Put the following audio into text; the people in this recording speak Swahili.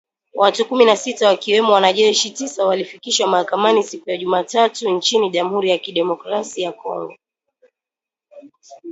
Watu kumi na sita wakiwemo wanajeshi tisa walifikishwa mahakamani siku ya Jumatatu nchini Jamhuri ya Kidemokrasi ya Kongo.